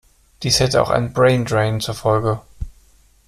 Dies hätte auch einen brain drain zur Folge.